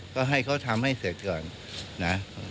ก็ให้เขาทำให้เสร็จก่อนนะ